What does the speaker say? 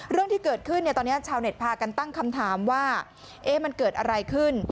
เรื่องที่เกิดขึ้นเนี่ยตอนนี้ชาวเน็ตพากันตั้งคำถามว่ามันเกิดอะไรขึ้น